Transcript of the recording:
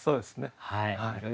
はい。